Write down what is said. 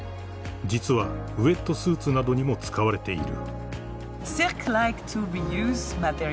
［実はウエットスーツなどにも使われている］